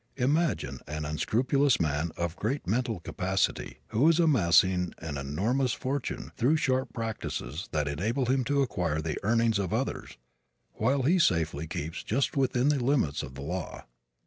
Imagine an unscrupulous man of great mental capacity who is amassing an enormous fortune through sharp practices that enable him to acquire the earnings of others while he safely keeps just within the limits of the law.